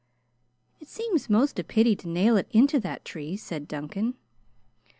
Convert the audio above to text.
"It seems most a pity to nail into that tree," said Duncan.